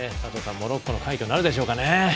モロッコの快挙なるでしょうかね。